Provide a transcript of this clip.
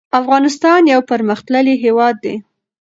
افغانستان يو پرمختللی هيواد ده